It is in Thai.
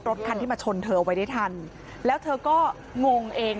รถคันที่มาชนเธอเอาไว้ได้ทันแล้วเธอก็งงเอง